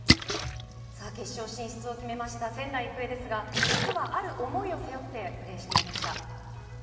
決勝進出を決めた仙台育英ですが、実はある思いを背負ってプレーをしていました。